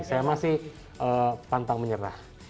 saya masih pantang menyerah